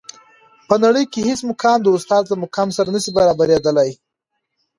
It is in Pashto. په نړۍ کي هیڅ مقام د استاد له مقام سره نسي برابري دلای.